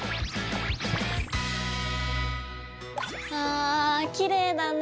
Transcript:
あきれいだね。